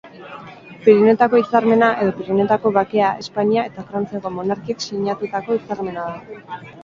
Pirinioetako Hitzarmena, edo Pirinioetako Bakea, Espainia eta Frantziako monarkiek sinatutako hitzarmena da.